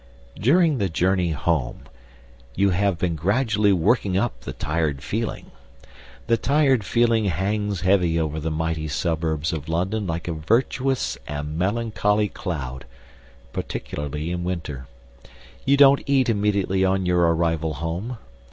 During the journey home you have been gradually working up the tired feeling. The tired feeling hangs heavy over the mighty suburbs of London like a virtuous and melancholy cloud, particularly in winter. You don't eat immediately on your arrival home.